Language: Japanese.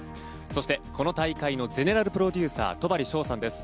そして、この大会のゼネラルプロデューサー戸張捷さんです。